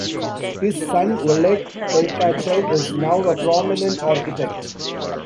His son Oleg Tolkachev is now a prominent architect.